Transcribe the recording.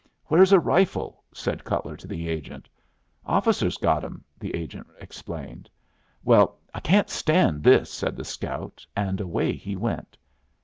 "Where's a rifle?" said Cutler to the agent. "Officers got 'em," the agent explained. "Well, I can't stand this," said the scout, and away he went.